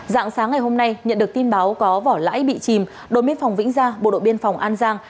dạng sáng ngày hôm nay nhận được tin báo có vỏ lãi bị chìm đội biên phòng vĩnh gia bộ đội biên phòng an giang